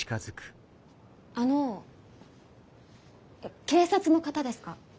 あの警察の方ですか？